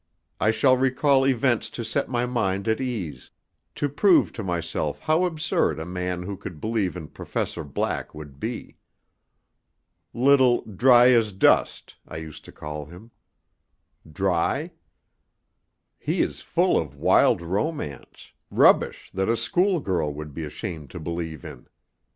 I shall recall events to set my mind at ease, to prove to myself how absurd a man who could believe in Professor Black would be. "Little Dry as dust" I used to call him 'Dry'? He is full of wild romance, rubbish that a school girl would be ashamed to believe in.